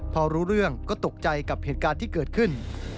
พอรู้เรื่องก็ตกใจกับเหตุการณ์ที่เกิดขึ้น